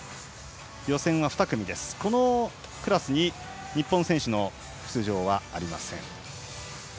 予選は２組、このクラスに日本選手の出場はありません。